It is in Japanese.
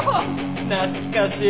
懐かしい。